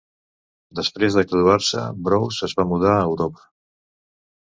Després de graduar-se, Brose es va mudar a Europa.